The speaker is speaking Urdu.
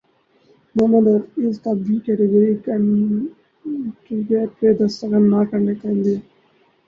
محمد حفیظ کا بی کیٹیگری کنٹریکٹ پر دستخط نہ کرنےکا عندیہ